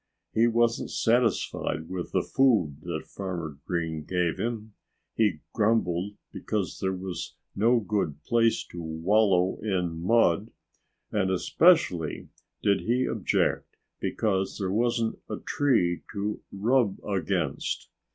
He wasn't satisfied with the food that Farmer Green gave him, he grumbled because there was no good place to wallow in mud, and especially did he object because there wasn't a tree to rub against.